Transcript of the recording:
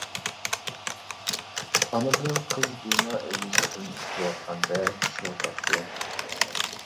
ئانا بىلەن قىز بىنا ئۆگزىسىدىن ئۇچۇۋاتقاندەك چۈشۈۋاتاتتى.